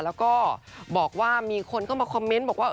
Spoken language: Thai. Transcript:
แล้วก็บอกว่ามีคนเข้ามาคอมเมนต์บอกว่า